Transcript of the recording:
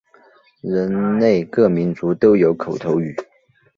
人类各民族都有口头语。